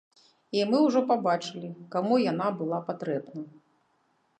І мы ўжо пабачылі, каму яна была патрэбна.